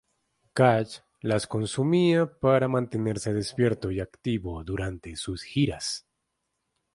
Cash las consumía para mantenerse despierto y activo durante sus giras.